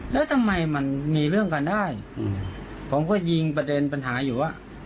แล้วทำไมมันมีเรื่องกันได้ผมก็ยิงประเด็นปัญหาอยู่ว่า